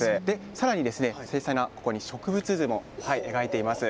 さらに、こちらに精細な植物図も描いています。